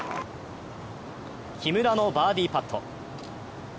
木村のバーディーパット。